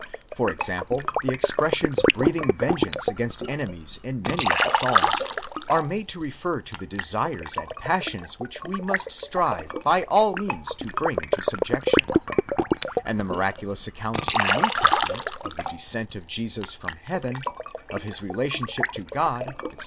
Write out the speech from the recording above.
For example, the expressions breathing vengeance against enemies in many of the Psalms are made to refer to the desires and passions which we must strive by all means to bring into subjection; and the miraculous ac count in the New Testament of the descent of Jesus from heaven, of his rela tionship to God, etc.